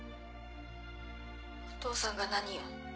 お父さんが何よ？